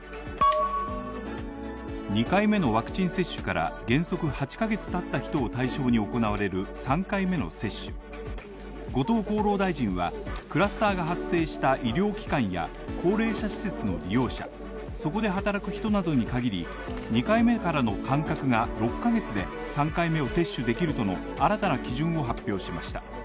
２回目のワクチン接種から原則８ヶ月たった人を対象に行われる３回目の接種後藤厚労大臣は、クラスターが発生した医療機関や高齢者施設の利用者、そこで働く人などに限り、２回目からの間隔が６ヶ月で３回目を接種できるとの新たな基準を発表しました。